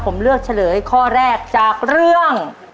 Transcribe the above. ผมเลือกเฉลยข้อแรกจากเรื่อง